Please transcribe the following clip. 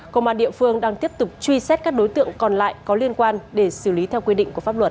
công an địa phương đang tiếp tục truy xét các đối tượng còn lại có liên quan để xử lý theo quy định của pháp luật